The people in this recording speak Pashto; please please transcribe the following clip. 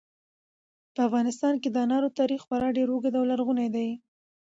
په افغانستان کې د انارو تاریخ خورا ډېر اوږد او لرغونی دی.